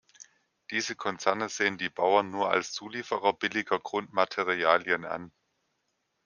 Diese Konzerne sehen die Bauern nur als Zulieferer billiger Grundmaterialien an.